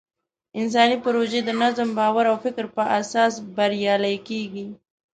انساني پروژې د نظم، باور او فکر په اساس بریالۍ کېږي.